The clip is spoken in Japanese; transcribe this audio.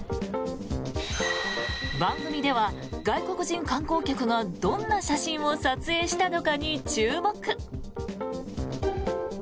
番組では外国人観光客がどんな写真を撮影したのかに注目。